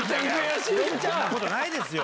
そんなことないですよ！